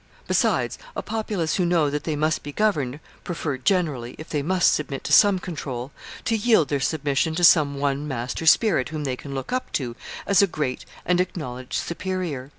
Besides, a populace who know that they mast be governed, prefer generally, if they must submit to some control, to yield their submission to some one master spirit whom they can look up to as a great and acknowledged superior.